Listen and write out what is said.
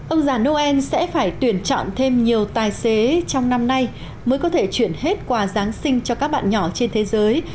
ông già noel sẽ phải tuyển chọn thêm nhiều tài xế trong năm nay mới có thể chuyển hết quà giáng sinh cho các bạn nhỏ trên thế giới